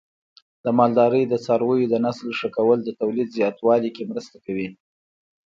د مالدارۍ د څارویو د نسل ښه کول د تولید زیاتوالي کې مرسته کوي.